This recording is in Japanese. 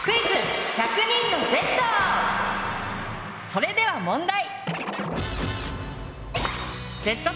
それでは問題！